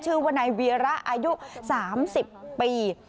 ชื่อว่านายเวียระอายุ๓๐ปี